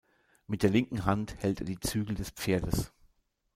Mit der linken Hand hält er die Zügel des Pferdes.